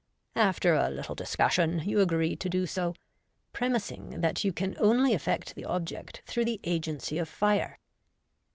After a little discussion, you agree to do so, premising that you can only effect the object through ihe agency of fire.